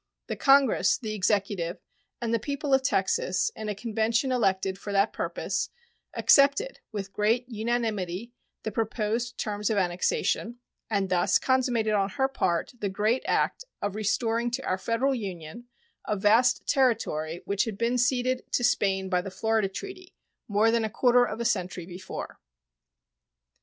The Congress, the Executive, and the people of Texas, in a convention elected for that purpose, accepted with great unanimity the proposed terms of annexation, and thus consummated on her part the great act of restoring to our Federal Union a vast territory which had been ceded to Spain by the Florida treaty more than a quarter of a century before.